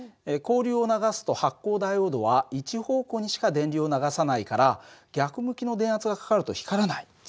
交流を流すと発光ダイオードは一方向にしか電流を流さないから逆向きの電圧がかかると光らない。